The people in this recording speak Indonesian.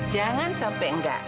jangan sampai enggak